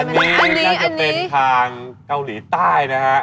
นึกทางเกาหลีใต้นะฮะ